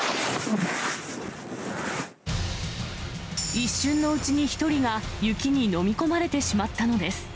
一瞬のうちに、１人が雪に飲み込まれてしまったのです。